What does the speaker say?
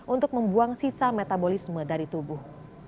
untuk membuang sisa metabolisme dari tubuh